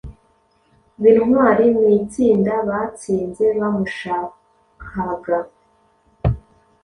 bintwari mu itsinda-batsinze bamushakaga